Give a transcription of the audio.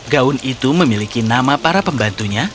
gaun itu memiliki nama para pembantunya